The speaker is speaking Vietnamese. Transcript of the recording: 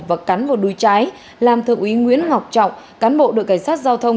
và cắn vào đuôi trái làm thượng úy nguyễn ngọc trọng cán bộ đội cảnh sát giao thông